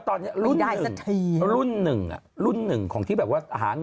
ปรากฏว่า